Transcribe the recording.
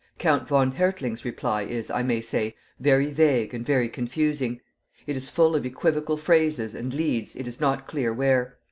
"Count von Hertling's reply is, I may say, very vague and very confusing. It is full of equivocal phrases and leads, it is not clear where.